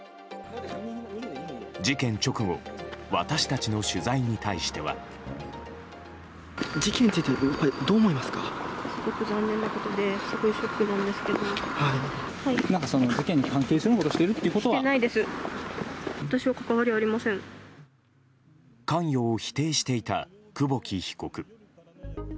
事件直後私たちの取材に対しては。関与を否定していた久保木被告。